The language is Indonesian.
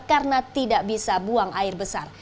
karena tidak bisa buang air besar